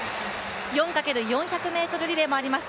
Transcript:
４×４００ｍリレーもあります。